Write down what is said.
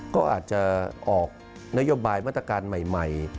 ก็อาจจะออกนโยบายมาตรการใหม่